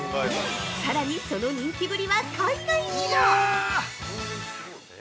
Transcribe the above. さらに、その人気ぶりは海外にも。